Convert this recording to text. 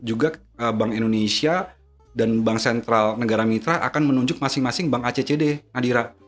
juga bank indonesia dan bank sentral negara mitra akan menunjuk masing masing bank accd nadira